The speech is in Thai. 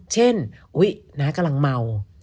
เช่นน้ากำลังเมา